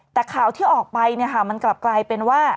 แต่ข่าวที่ออกไปมันกลับกลายเป็นว่า